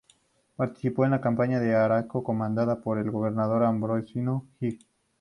Participó en la campaña de Arauco comandada por el gobernador Ambrosio O'Higgins.